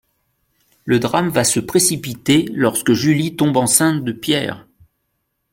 Le drame va se précipiter lorsque Julie tombe enceinte de Pierre…